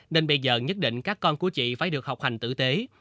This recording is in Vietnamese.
nên bây giờ nhất định các con của chị phải được học hành tử tế